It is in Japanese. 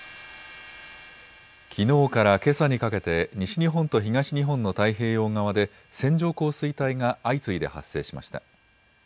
きのうからけさにかけて西日本と東日本の太平洋側で線状降水帯が相次いで発生しました。